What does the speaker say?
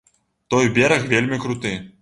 Той бераг вельмі круты.